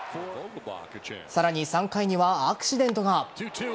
さらに３回にはアクシデントが。